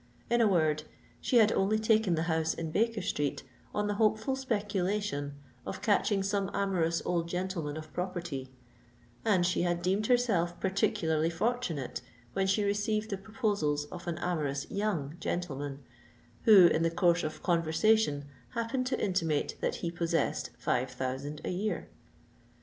In a word, she had only taken the house in Baker Street on the hopeful speculation of catching some amorous old gentleman of property: and she had deemed herself particularly fortunate when she received the proposals of an amourous young gentleman who, in the course of conversation, happened to intimate that he possessed five thousand a year.